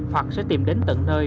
hoặc sẽ tìm đến tận nơi